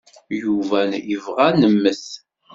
Yuba yebɣa ad nemmet.